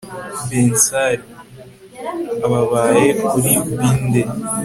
bensali, ababaye kuri bindeh